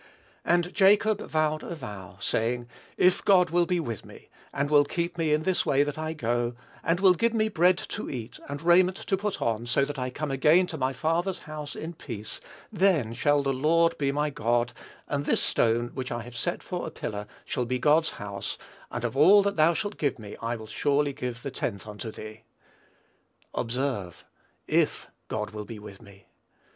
"And Jacob vowed a vow, saying, If God will be with me, and will keep me in this way that I go, and will give me bread to eat, and raiment to put on, so that I come again to my Father's house in peace; then shall the Lord be my God; and this stone, which I have set for a pillar, shall be God's house: and of all that thou shalt give me, I will surely give the tenth unto thee." Observe, "if God will be with me."